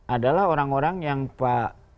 adalah orang orang yang pak